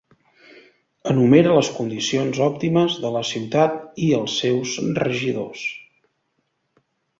Enumera les condicions òptimes de la ciutat i els seus regidors.